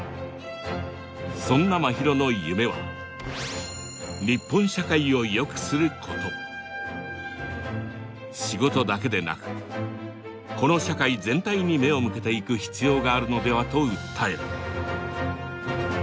そんなまひろの夢は仕事だけでなくこの社会全体に目を向けていく必要があるのではと訴える。